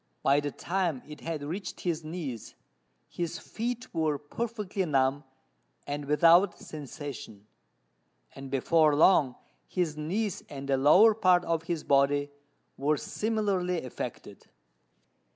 By the time it had reached his knees, his feet were perfectly numb and without sensation; and before long his knees and the lower part of his body were similarly affected.